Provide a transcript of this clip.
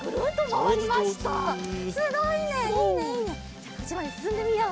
じゃあこっちまですすんでみよう！